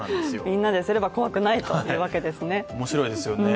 みんなですれば怖くないというわけですね。